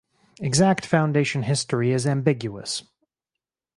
Exact foundation history is ambiguous.